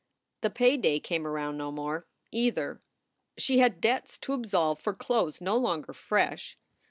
The pay day came around no more, either. She had debts to absolve for clothes no longer fresh.